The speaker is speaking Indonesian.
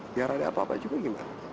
biar ada apa apa juga gimana